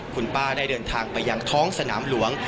คุณป้าได้เดินทางไปยังท้องสนามหลวง